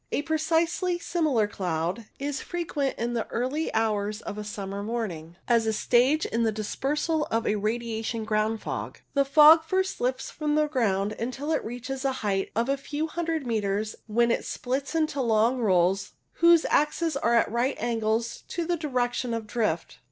A precisely similar cloud is frequent in the early hours of a summer morning, as a stage in the dispersal of a radiation ground fog. The fog first lifts from the ground, until it reaches a height of a few hundred metres, when it splits into the long rolls whose axes are at right angles 8o LOWER CLOUDS to the direction of drift.